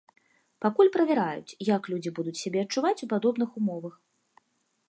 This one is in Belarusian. Пакуль правяраюць, як людзі будуць сябе адчуваць у падобных умовах.